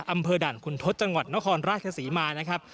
อำเภอด่านคุณทศจังหวัดนครราชศรีมานะครับ